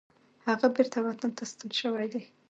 هغه بیرته وطن ته ستون شوی دی.